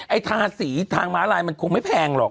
ทาสีทางม้าลายมันคงไม่แพงหรอก